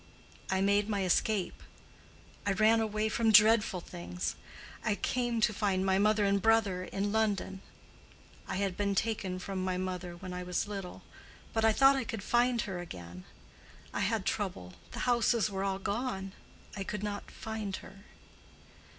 I made my escape. I ran away from dreadful things. I came to find my mother and brother in London. I had been taken from my mother when I was little, but I thought I could find her again. I had trouble—the houses were all gone—I could not find her.